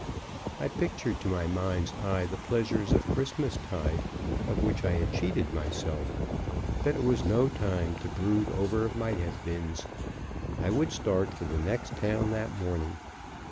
I pictured to my mind's eye the pleasures of Christmastide, of which I had cheated myself; but it was no time to brood over might have beens. I would start for the next town that morning.